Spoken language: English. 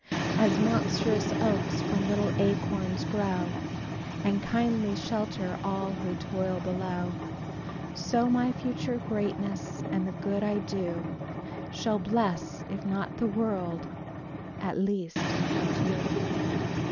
As monstrous oaks from little acorns grow, And kindly shelter all who toil below, So my future greatness and the good I do Shall bless, if not the world, at least a few."